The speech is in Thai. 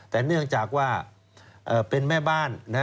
แต่เนื่องจากว่าเป็นแม่บ้าน